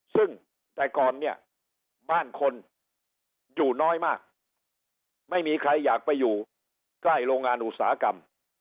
ซึ่งแต่ก่อนเนี่ยบ้านคนอยู่น้อยมากไม่มีใครอยากไปอยู่ใกล้โรงงานอุตสาหกรรม